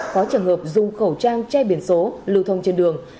có trường hợp dùng khẩu trang che biển số lưu thông trên đường